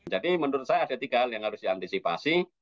jadi menurut saya ada tiga hal yang harus diantisipasi